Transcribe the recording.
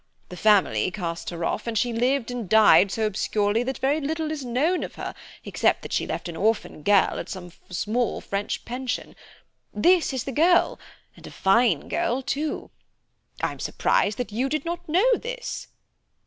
The family cast her off, and she lived and died so obscurely that very little is known of her except that she left an orphan girl at some small French pension. This is the girl, and a fine girl, too. I'm surprised that you did not know this."